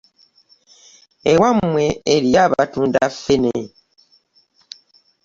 Ewamwe eriyo abatunda ffene.